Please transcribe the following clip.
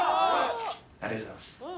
ありがとうございます。